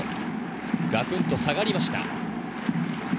がくんと下がりました。